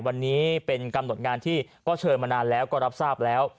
วันนี้เป็นกำหนดงานที่ก็เชิญมานานแล้วก็รับทราบแล้ว